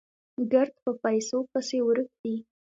ګړد په پيسو پسې ورک دي